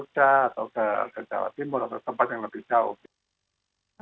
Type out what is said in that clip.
ke jogja atau ke jawa timur atau tempat yang lebih jauh